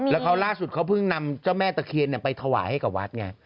แล้วเขาล่าสุดเขาเพิ่งนำเจ้าแม่ตะเคียนไปถวายให้กับวัดไง